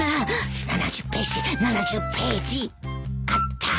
７０ページ７０ページあった。